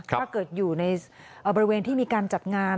ถ้าเกิดอยู่ในบริเวณที่มีการจัดงาน